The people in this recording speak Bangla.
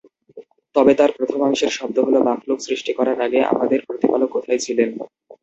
তবে তার প্রথমাংশের শব্দ হলো মাখলুক সৃষ্টি করার আগে আমাদের প্রতিপালক কোথায় ছিলেন?